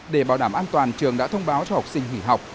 để bảo đảm an toàn trường đã thông báo cho học sinh hủy học